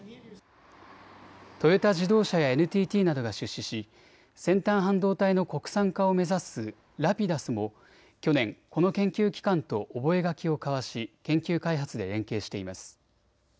トヨタ自動車やＮＴＴなどが出資し先端半導体の国産化を目指すＲａｐｉｄｕｓも去年、この研究機関と覚書を交わし研究開発で連携しています。